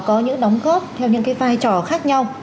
có những đóng góp theo những cái vai trò khác nhau